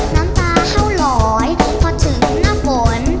น้ำตาเข้าลอยพอถึงหน้าฝน